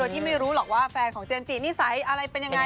ที่ไม่รู้หรอกว่าแฟนของเจมสจินิสัยอะไรเป็นยังไง